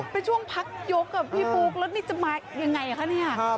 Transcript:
เป็นช่วงพักยกกับพี่ปู๊กแล้วนี่จะมาอย่างไรคะ